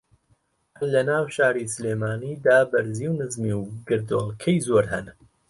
ھەر لە ناو شاری سلێمانی دا بەرزی و نزمی و گردۆڵکەی زۆر ھەن